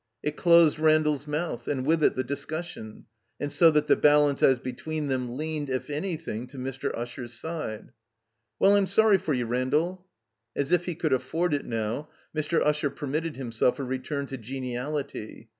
It closed Randall's mouth, and with it the discussion, and so that the balance as between them leaned if anything to Mr. Usher's side. ''Well, I'm sorry for you, Randall." As if he could afford it now, Mr. Usher permitted himself a return to geniality.